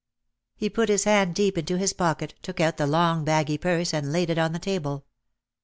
He put his hand deep into his pocket, took out the long baggy purse and laid it on the table.